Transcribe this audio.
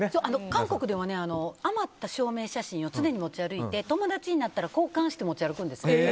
韓国では、余った証明写真を常に持ち歩いて、友達になったら交換して持ち歩くんですよ。